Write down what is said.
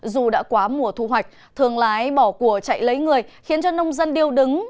dù đã quá mùa thu hoạch thường lái bỏ cùa chạy lấy người khiến cho nông dân điêu đứng